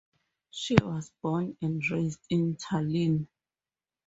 She was born and raised in Tallinn.